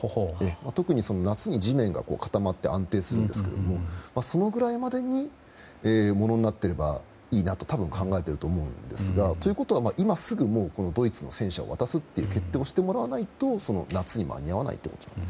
特に夏に地面が固まって安定しますがそのくらいまでにものになっていればいいなと多分、考えていると思うんですけども今すぐドイツの戦車を渡す決定をしてもらわないと夏に間に合わないということです。